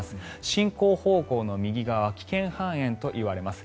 進行方向の右側は危険半円といわれます。